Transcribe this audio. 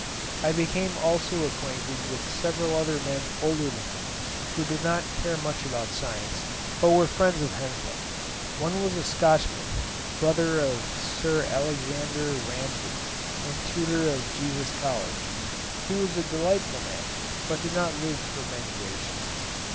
I became also acquainted with several other men older than me, who did not care much about science, but were friends of Henslow. One was a Scotchman, brother of Sir Alexander Ramsay, and tutor of Jesus College: he was a delightful man, but did not live for many years.